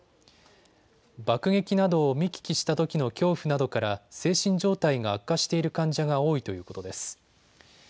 爆撃などを見聞きしたときの恐怖などから精神状態が悪化している患者が多いということです。